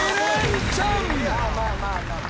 まあまあまあ。